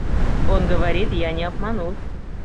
Он говорит: «Я не обманул...»